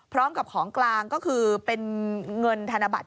พร้อมกับของกลางก็คือเป็นเงินธนบัตร